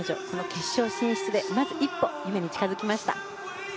決勝進出でまず一歩、夢に近づきました。